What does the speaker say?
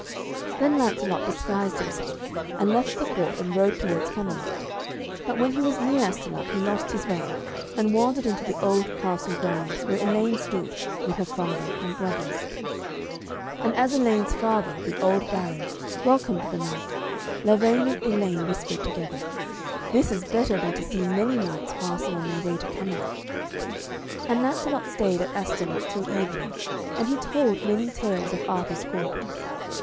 Then Lancelot disguised himself, and left the court and rode towards Camelot. But when he was near Astolat he lost his way, and wandered into the old castle grounds, where Elaine stood, with her father and brothers. And as Elaine's father, the old Baron, welcomed the knight, Lavaine and Elaine whispered together, 'This is better than to see many knights passing on their way to Camelot.' And Lancelot stayed at Astolat till evening, and he told many tales of Arthur's court.